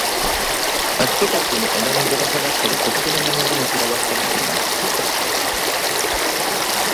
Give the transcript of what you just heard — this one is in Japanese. あっちの枝にぶらさがったり、こっちの根元に散らばったりしています